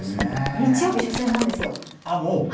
日曜日初戦なんですよ。